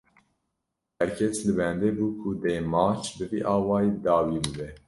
Her kes li bendê bû ku dê maç, bi vî awayî bi dawî bibe